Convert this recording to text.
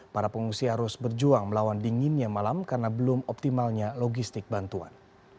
para pengungsi harus berjuang melawan dinginnya malam karena belum optimalnya logistik bantuan